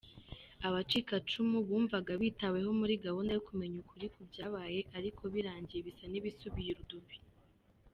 Abacikacumu bumvaga bitaweho muri gahunda yo kumenya ukuri kubyababaye ariko birangiye bisa nibisubiye irudubi.